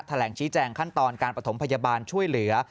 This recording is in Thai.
แถลงชี้แจงขั้นตอนการประถมพยาบาลช่วยเหลือ